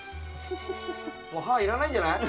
もう歯要らないんじゃない？